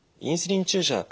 インスリン注射